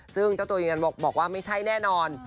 ซึ่งว่าไม่ใช่แน่นอน